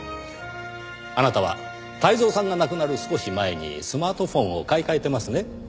あなたは泰造さんが亡くなる少し前にスマートフォンを買い替えてますね。